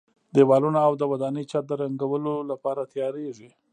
دېوالونه او د ودانۍ چت د رنګولو لپاره تیاریږي.